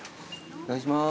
お願いします。